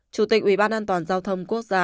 chủ tịch ubnd giao thông quốc gia